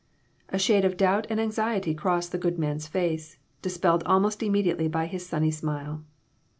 A shade of doubt and anxiety crossed the good man's face, dispelled almost immediately by his sunny smile.